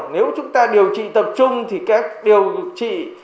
nếu chúng ta điều trị tập trung thì các điều trị